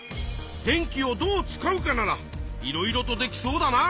「電気をどう使うか」ならいろいろとできそうだな。